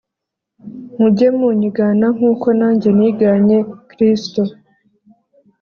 Mujye munyigana nkuko nanjye niganye Kristo